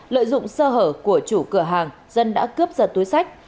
lợi dụng sơ hở của chủ cửa hàng dân đã cướp giật túi sách